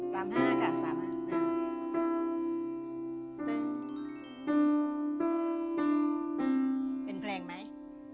สามห้าค่ะสามห้าเป็นเพลงไหม